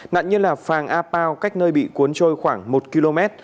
nạn nhân là phàng a pao cách nơi bị cuốn trôi khoảng một km